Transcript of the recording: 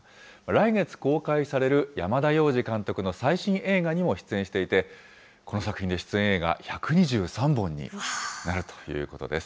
来月公開される山田洋次監督の最新映画にも出演していて、この作品で、出演映画１２３本になるということです。